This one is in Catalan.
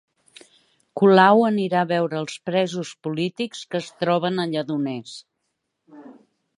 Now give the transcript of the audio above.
Colau anirà a veure els presos polítics que es troben a Lledoners